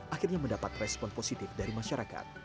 akhirnya mendapat respon positif dari masyarakat